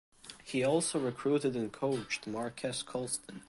He also recruited and coached Marques Colston.